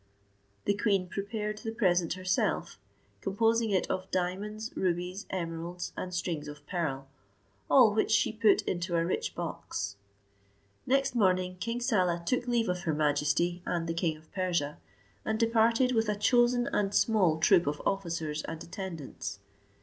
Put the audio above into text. The queen prepared the present herself, composing it of diamonds, rubies, emeralds, and strings of pearl, all which she put into a rich box. Next morning King Saleh took leave of her majesty and the king of Persia, and departed with a chosen and small troop of officers, and attendants.